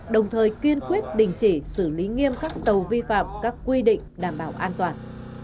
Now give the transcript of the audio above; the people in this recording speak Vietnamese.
đồng thời kiên quyết đình chỉ xử lý nghiêm các tàu vi phạm các quy định đảm bảo an toàn